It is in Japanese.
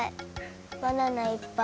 バナナいっぱい。